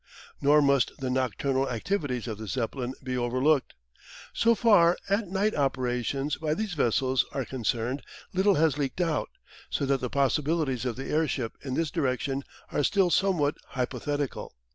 Nor must the nocturnal activities of the Zeppelin be overlooked. So far as night operations by these vessels are concerned, little has leaked out, so that the possibilities of the airship in this direction are still somewhat hypothetical.